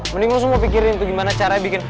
mending gue semua pikirin tuh gimana caranya bikin